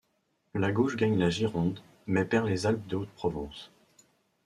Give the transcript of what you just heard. La gauche gagne la Gironde, mais perd les Alpes-de-Haute-Provence.